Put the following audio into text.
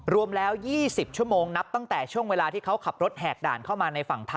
รวมแล้ว๒๐ชั่วโมงนับตั้งแต่ช่วงเวลาที่เขาขับรถแหกด่านเข้ามาในฝั่งไทย